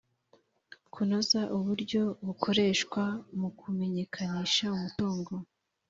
Kunoza uburyo bukoreshwa mu kumenyekanisha umutungo